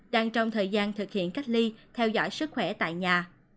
đang trong thời gian thực hiện cách ly theo dõi sức khỏe tại nhà